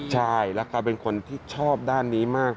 ใช่แล้วเขาเป็นคนที่ชอบด้านนี้มาก